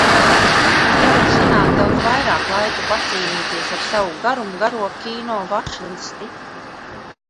Tagad sanāk daudz vairāk laika pacīnīties ar savu garumgaro kino vačlisti.